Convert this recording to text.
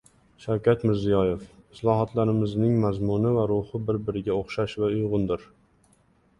Shavkat Mirziyoyev: Islohotlarimizning mazmuni va ruhi bir-biriga o‘xshash va uyg‘undir